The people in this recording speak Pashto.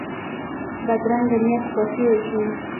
بدرنګه نیت خوښي وژني